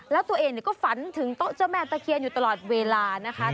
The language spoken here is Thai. แล้วตัวเองก็ฝันถึงโต๊ะเจ้าแม่ตะเคียนอยู่ตลอดเวลานะคะ